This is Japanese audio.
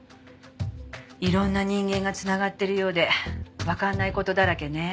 いろんな人間が繋がってるようでわかんない事だらけね。